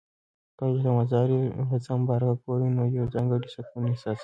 کله چې د مزار شریف روضه مبارکه ګورې نو یو ځانګړی سکون احساسوې.